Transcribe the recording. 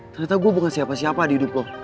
ternyata gue bukan siapa siapa di hidup lo